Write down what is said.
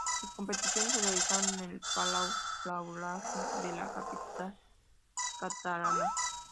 Las competiciones se realizaron en el Palau Blaugrana de la capital catalana.